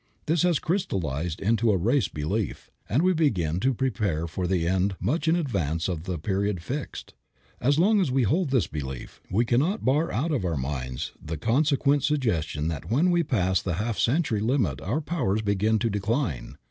This has crystallized into a race belief, and we begin to prepare for the end much in advance of the period fixed. As long as we hold this belief we cannot bar out of our minds the consequent suggestion that when we pass the half century limit our powers begin to decline.